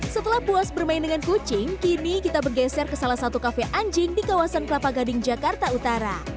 setelah puas bermain dengan kucing kini kita bergeser ke salah satu kafe anjing di kawasan kelapa gading jakarta utara